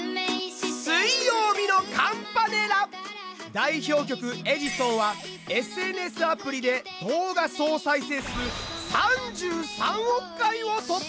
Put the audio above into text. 代表曲「エジソン」はＳＮＳアプリで動画総再生数３３億回を突破！